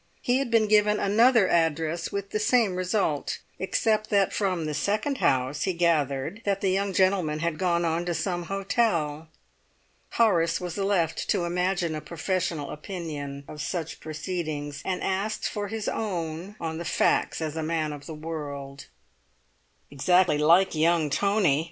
He had been given another address with the same result, except that from the second house he gathered that the young gentleman had gone on to some hotel. Horace was left to imagine a professional opinion of such proceedings, and asked for his own on the facts as a man of the world. "Exactly like young Tony!"